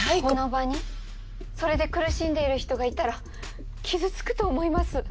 この場にそれで苦しんでいる人がいたら傷つくと思います。